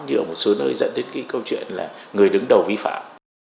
nhiều một số nơi dẫn đến cái câu chuyện là người đứng đầu vi phạm